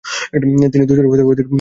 তিনি দুশোরও অধিক গীত রচনা করেছিলেন।